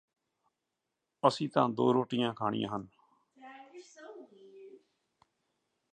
ਅਸੀਂ ਤਾਂ ਦੋ ਰੋਟੀਆਂ ਖਾਂਣੀਆ ਹਨ